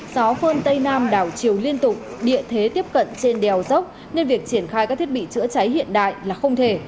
gió phơn tây nam đảo chiều liên tục địa thế tiếp cận trên đèo dốc nên việc triển khai các thiết bị chữa cháy hiện đại là không thể